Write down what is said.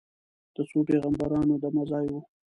د څو پیغمبرانو دمه ځای و.